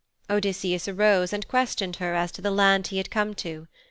Odysseus arose, and questioned her as to the land he had come to.